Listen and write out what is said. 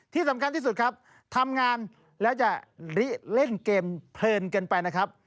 ที่สำคัญที่สุดครับทำงานแล้วจะเล่นเกมเพลินกันไปนะครับ